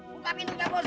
buka pintunya bos